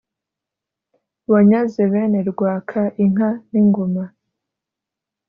wanyaze bene rwaka inka n’ingoma,